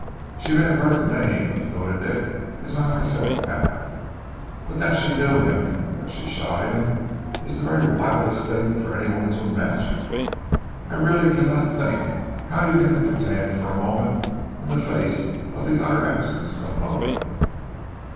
She may have heard the name of Koona Dick as I myself have, but that she knew him, that she shot him, is the very wildest thing for any one to imagine. I really cannot think how you can entertain it for a moment in face of the utter absence of motive."